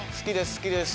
「好きです」。